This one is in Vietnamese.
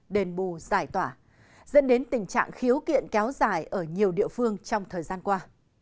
đền bù giải tỏa dẫn đến tình trạng khiếu kiện kéo dài ở nhiều địa phương trong thời gian qua